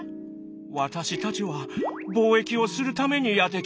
「私たちは貿易をするためにやって来ました」。